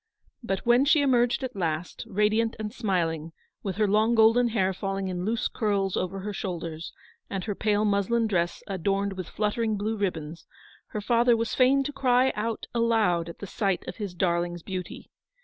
But when she emerged at last, radiant and smiling, with her long golden hair falling in loose v 2 68 ELEANOR'S VICTORY. curls over her shoulders, and her pale muslin dress adorned with fluttering hlue ribbons, her father was fain to cry out aloud at the sight of his darling's beauty.